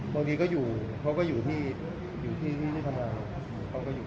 บางทีเขาก็อยู่ที่ที่ทำงานเขาก็อยู่